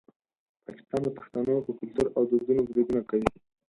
پاکستان د پښتنو په کلتور او دودونو بریدونه کوي.